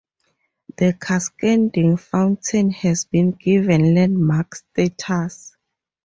The cascading fountain has been given landmark status.